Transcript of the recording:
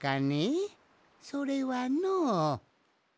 それはの。